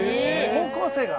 高校生が？